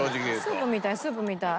スープみたいスープみたい。